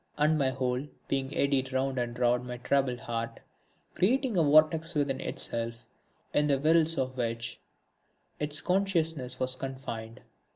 And my whole being eddied round and round my troubled heart, creating a vortex within itself, in the whirls of which its consciousness was confined.